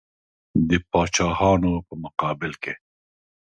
د پاچاهانو په مقابل کې.